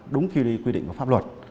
đúng khi quy định có pháp luật